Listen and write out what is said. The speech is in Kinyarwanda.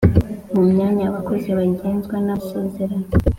mu myanya abakozi bagengwa n’amasezerano